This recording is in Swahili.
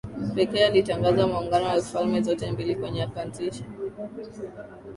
pekee alitangaza maungano ya falme zote mbili kwenye akaanzisha